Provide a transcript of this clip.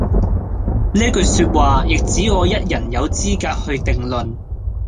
呢句說話，亦只我一人有資格去定論